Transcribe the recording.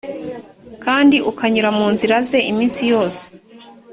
kandi ukanyura mu nzira ze iminsi yose